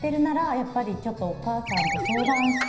やっぱりお母さんと相談して。